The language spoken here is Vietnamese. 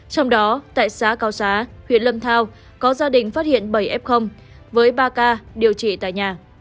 trong đó tại xã cao xá huyện lâm thao có gia đình phát hiện bảy f với ba ca điều trị tại nhà